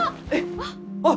あっ！